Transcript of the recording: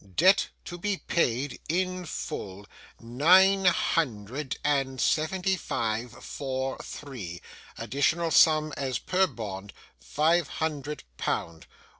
'Debt to be paid in full, nine hundred and seventy five, four, three. Additional sum as per bond, five hundred pound.